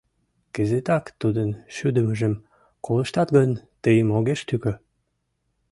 Кызытак тудын шӱдымыжым колыштат гын, тыйым огеш тӱкӧ.